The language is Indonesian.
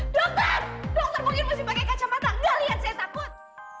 dokter dokter mungkin masih pakai kacamata nggak lihat saya takut